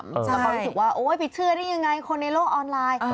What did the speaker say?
แล้วก็รู้สึกว่าโอ๊ยไปเชื่อได้ยังไงคนในโลกออนไลน์